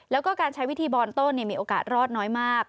แล้วก็การใช้วิธีบอนต้นมีโอกาสรอดน้อยมาก